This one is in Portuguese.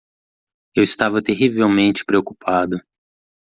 Eu estava terrivelmente preocupado.